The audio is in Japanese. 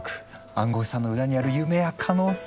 暗号資産の裏にある夢や可能性。